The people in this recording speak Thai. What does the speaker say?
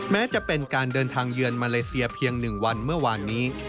แม้จะเป็นการเดินทางเยือนมาเลเซียเพียง๑วันเมื่อวานนี้